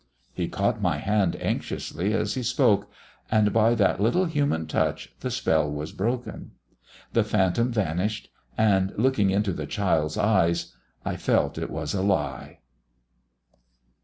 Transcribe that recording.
He caught my hand anxiously as he spoke, and by that little human touch the spell was broken. The phantom vanished; and, looking into the child's eyes, I felt it was a lie.